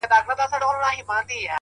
ځكه دنيا مي ته يې،